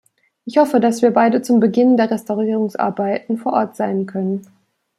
Ich hoffe, dass wir beide zum Beginn der Restaurierungsarbeiten vor Ort sein können.